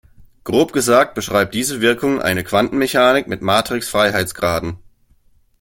Grob gesagt beschreibt diese Wirkung eine Quantenmechanik mit Matrix-Freiheitsgraden.